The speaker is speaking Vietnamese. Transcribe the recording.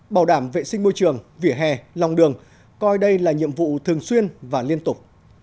bảo đảm vệ sinh môi trường vỉa hè lòng đường coi đây là nhiệm vụ thường xuyên và liên tục